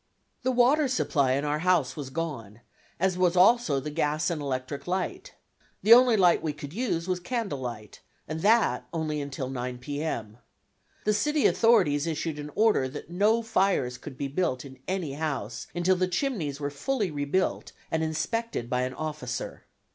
The water supply in our house was gone, as was also the gas and electric light. The only light we could use was candle light, and that only until 9 P. M.. The city authorities issued an order that no fires could be built in any house until the chimneys were fully rebuilt and inspected by an officer.